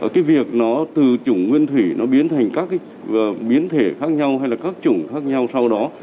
cái việc nó từ chủng nguyên thủy nó biến thành các cái biến thể khác nhau hay là các chủng khác nhau sau đó